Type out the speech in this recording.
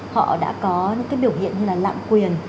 họ đã có những cái biểu hiện như là lạm quyền